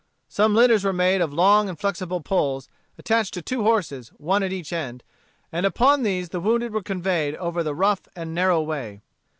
Some litters were made of long and flexible poles, attached to two horses, one at each end, and upon these the wounded were conveyed over the rough and narrow way.